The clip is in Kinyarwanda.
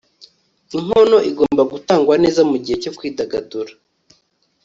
Inkono igomba gutangwa neza mugihe cyo kwidagadura